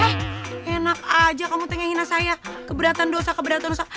hah enak aja kamu tengah hina saya keberatan dosa keberatan dosa